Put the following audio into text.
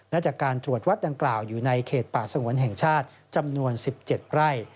และจากการตรวจวัดดังกล่าวอยู่ในเขตป่าสงวนแห่งชาติจำนวน๑๗ไร่